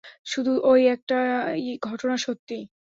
শুধু ওই একটাই ঘটনা, সত্যিই।